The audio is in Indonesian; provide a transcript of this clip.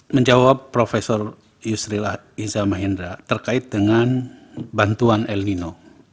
menjawab prof yusril iza mahendra terkait dengan bantuan el nino